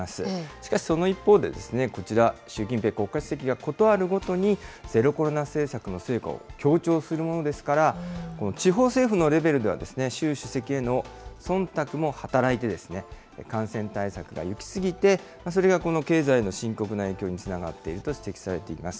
しかし、その一方でこちら、習近平国家主席が事あるごとに、ゼロコロナ政策の成果を強調するものですから、地方政府のレベルでは、習主席へのそんたくも働いて、感染対策が行き過ぎて、それがこの経済の深刻な影響につながっていると指摘されています。